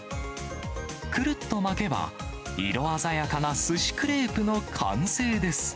くるっと巻けば、色鮮やかなすしクレープの完成です。